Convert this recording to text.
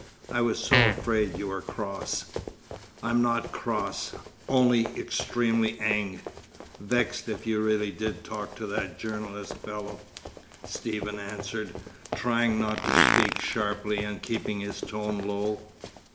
"I was so afraid you were cross." "I'm not cross, only extremely ang vexed if you really did talk to that journalist fellow," Stephen answered, trying not to speak sharply, and keeping his tone low.